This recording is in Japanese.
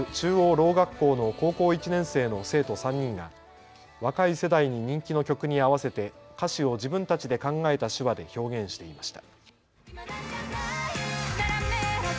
ろう学校の高校１年生の生徒３人が若い世代に人気の曲に合わせて歌詞を自分たちで考えた手話で表現していました。